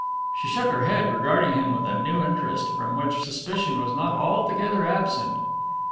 She shook her head, regarding him with a new interest, from which suspicion was not altogether absent.